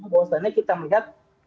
bahwasanya kita melihat